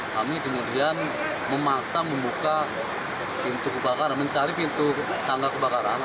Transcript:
kami kemudian memaksa membuka pintu kebakaran mencari pintu tangga kebakaran